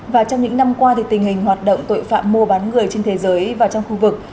và trong những năm qua tình hình hoạt động tội phạm mua bán người trên thế giới và trong khu vực